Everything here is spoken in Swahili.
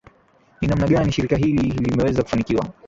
ni namna gani shirika hili limeweza kufanikiwa